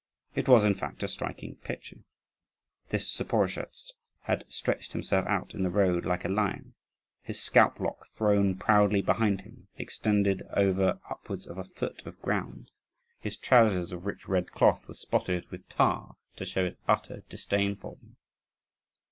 It was, in fact, a striking picture. This Zaporozhetz had stretched himself out in the road like a lion; his scalp lock, thrown proudly behind him, extended over upwards of a foot of ground; his trousers of rich red cloth were spotted with tar, to show his utter disdain for them.